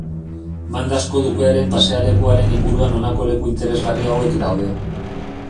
Mandasko Dukearen pasealekuaren inguruan honako leku interesgarri hauek daude.